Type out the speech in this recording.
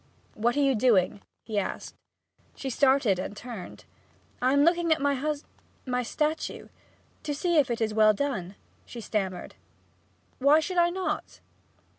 'What are you doing?' he asked. She started and turned. 'I am looking at my husb my statue, to see if it is well done,' she stammered. 'Why should I not?'